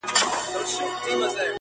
په دې پوهېږمه چي ستا د وجود سا به سم